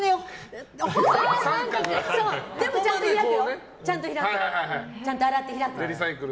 でもちゃんと洗って開くよ。